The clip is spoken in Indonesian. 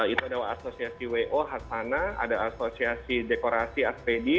itu ada asosiasi wo hartmana ada asosiasi dekorasi aspedi